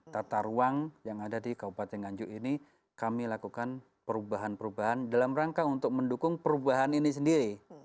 tata ruang yang ada di kabupaten nganjuk ini kami lakukan perubahan perubahan dalam rangka untuk mendukung perubahan ini sendiri